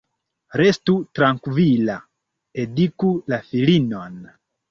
Restu trankvila, eduku la filinon.